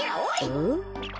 うん？